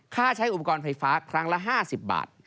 ใช้อุปกรณ์ไฟฟ้าครั้งละ๕๐บาท